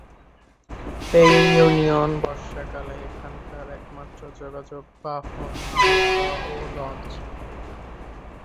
এই ইউনিয়ন বর্ষাকালে এখানকার এক মাত্র যোগাযোগ বাহন নৌকা ও লঞ্চ।